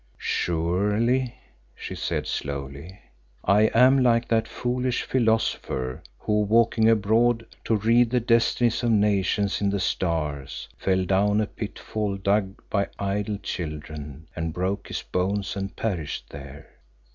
"Surely," she said slowly, "I am like that foolish philosopher who, walking abroad to read the destinies of nations in the stars, fell down a pitfall dug by idle children and broke his bones and perished there.